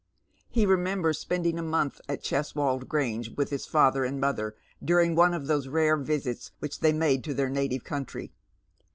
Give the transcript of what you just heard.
He re members spending a month at Cheswold Grange with his father and mother during one of those rare visits which they made to their native country.